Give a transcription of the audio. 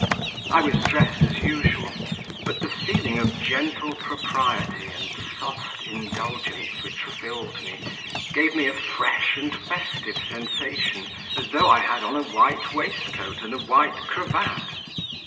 I was dressed as usual, but the feeling of gentle propriety and soft indulgence which filled me gave me a fresh and festive sensation, as though I had on a white waistcoat and a white cravat.